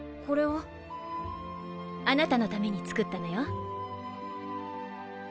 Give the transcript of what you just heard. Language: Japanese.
これは？あなたのために作ったのよ。